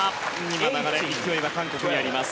流れ、勢いは今、韓国にあります。